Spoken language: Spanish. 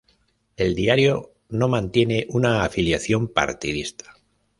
El diario no mantiene una afiliación partidista.